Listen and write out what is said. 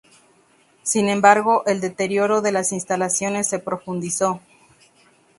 Sin embargo, el deterioro de las instalaciones se profundizó.